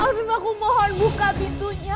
aku mohon buka pintunya